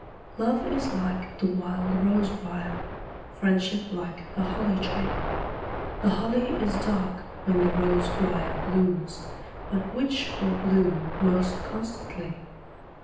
Love is like the wild rose briar; Friendship like the holly tree. The holly is dark when the rose briar blooms, But which will bloom most constantly?